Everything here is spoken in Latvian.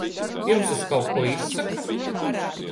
Jums tas kaut ko izsaka?